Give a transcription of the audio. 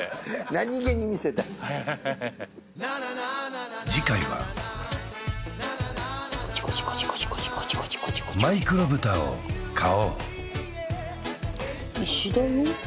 何気に見せたい次回はコチョコチョコチョマイクロブタを飼おう石だよ？